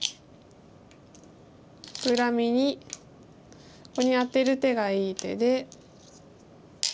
フクラミにここにアテる手がいい手で。